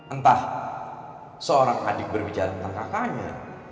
entah seorang adik berbicara tentang kakaknya